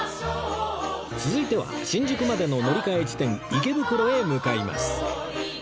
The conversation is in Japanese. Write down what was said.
続いては新宿までの乗り換え地点池袋へ向かいます